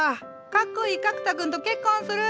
かっこいい格太君と結婚する。